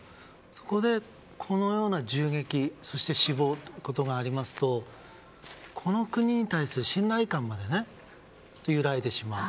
そこでこのような銃撃死亡ということがありますとこの国に対する信頼感まで揺らいでしまう。